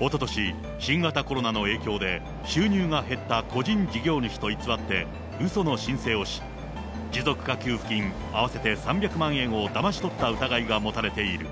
おととし、新型コロナの影響で、収入が減った個人事業主と偽って、うその申請をし、持続化給付金合わせて３００万円をだまし取った疑いが持たれている。